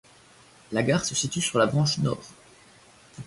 La gare se situe sur la branche Nord.